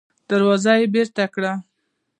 دروازه يې بېرته کړه.